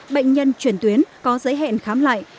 bệnh nhân chuyển tuyến có giới hẹn khám lại